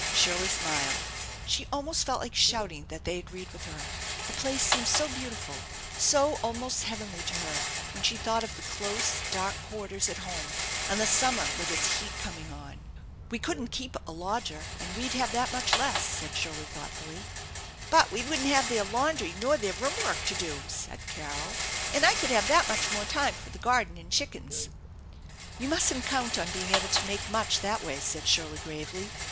Shirley smiled. She almost felt like shouting that they agreed with her. The place seemed so beautiful, so almost heavenly to her when she thought of the close, dark quarters at home and the summer with its heat coming on. " We couldn't keep a lodger, and we'd have that much less," said Shirley thoughtfully. "But we wouldn't have their laundry nor their room work to do," said Carol, " and I could have that much more time for the garden and chickens." "You mustn't count on being able to make much that way," said Shirley gravely.